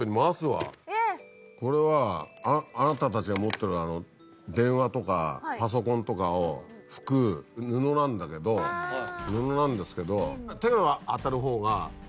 これはあなたたちが持ってる電話とかパソコンとかを拭く布なんだけど布なんですけど。